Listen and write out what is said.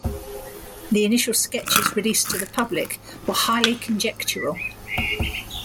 The initial sketches released to the public were highly conjectural.